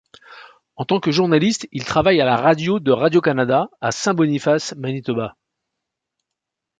En tant que journaliste, il travaille à la radio de Radio-Canada à Saint-Boniface, Manitoba.